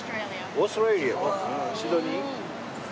オーストラリア。